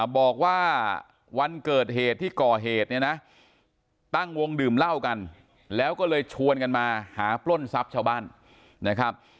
บอกว่าวันเกิดเหตุที่ก่อเหตุเนี่ยนะตั้งวงดื่มเหล้ากันแล้วก็เลยชวนกันมาหาปล้นทรัพย์ชาวบ้านนะครับ